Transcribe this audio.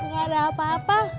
gak ada apa apa